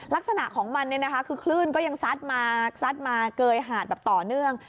ลักษณะของมันคือคลื่นก็ยังซัดมาเกยหาดต่อเนื่อง